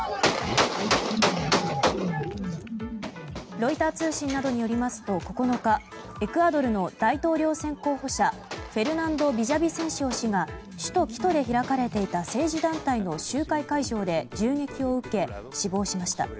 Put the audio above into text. ロイター通信などによりますと９日、エクアドルの大統領選候補者フェルナンド・ビジャビセンシオ氏が首都キトで開かれていた政治団体の集会会場で銃撃を受け、死亡しました。